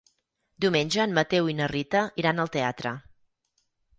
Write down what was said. Diumenge en Mateu i na Rita iran al teatre.